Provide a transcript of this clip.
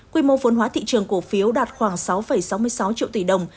quy mô phốn hóa thị trường cổ phiếu đạt khoảng sáu sáu mươi sáu triệu tỷ đồng